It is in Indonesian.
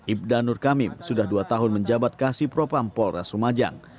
ibda nur kamim sudah dua tahun menjabat kasih propam polres lumajang